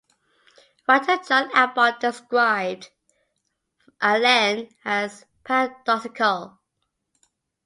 Writer Jon Abbott described Allen as paradoxical.